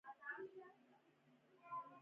ځوانانو ته د کار او روزګار زمینه برابریږي.